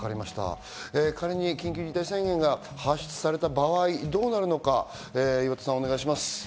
仮に緊急事態宣言が発出された場合どうなるのか、岩田さん、お願いします。